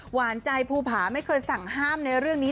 หวานใจภูผาไม่เคยสั่งห้ามในเรื่องนี้